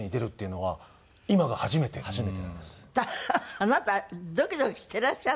あなたドキドキしてらっしゃらない？